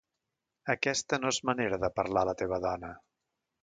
Aquesta no és manera de parlar a la teva dona.